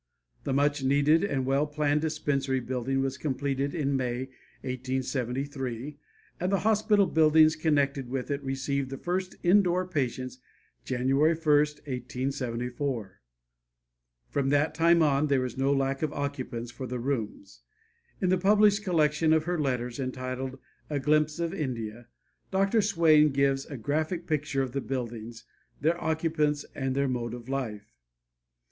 The much needed and well planned dispensary building was completed in May, 1873, and the hospital buildings connected with it received the first indoor patients January 1, 1874. From that time on there was no lack of occupants for the rooms. In the published collection of her letters, entitled "A Glimpse of India," Dr. Swain gives a graphic picture of the buildings, their occupants and their mode of life.